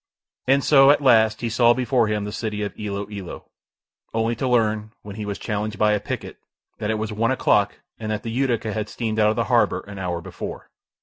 And so, at last, he saw before him the city of Ilo Ilo, only to learn, when he was challenged by a picket, that it was one o'clock and that the Utica had steamed out of the harbour an hour before.